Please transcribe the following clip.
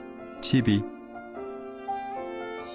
「『チビ』」。